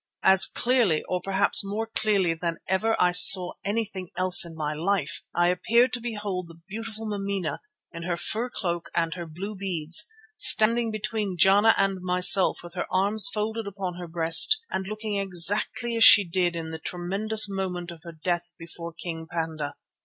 As clearly, or perhaps more clearly than ever I saw anything else in my life, I appeared to behold the beautiful Mameena in her fur cloak and her blue beads, standing between Jana and myself with her arms folded upon her breast and looking exactly as she did in the tremendous moment of her death before King Panda.